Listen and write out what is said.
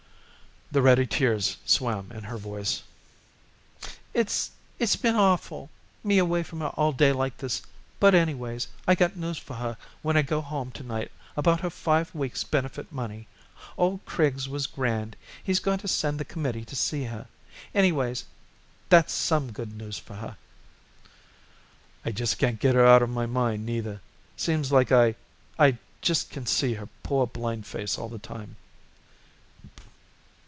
The ready tears swam in her voice. "It's it's been awful me away from her all day like this. But, anyways, I got news for her when I go home to night about her five weeks' benefit money. Old Criggs was grand. He's going to send the committee to see her. Anyways, that's some good news for her." "I just can't get her out of my mind, neither. Seems like I I just can see her poor blind face all the time."